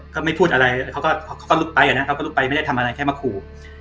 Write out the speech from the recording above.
ก็ไม่พูดอะไรเขาก็หลุดไปนะเขาก็ลุกไปไม่ได้ทำอะไรแค่มาขู่